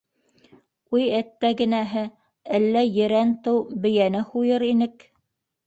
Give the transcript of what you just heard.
Уй әттәгенәһе, әллә ерән тыу бейәне һуйыр инек.